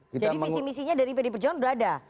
jadi visi misinya dari bd pejauhan sudah ada